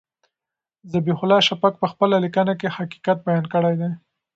ذبیح الله شفق په خپله لیکنه کې حقیقت بیان کړی دی.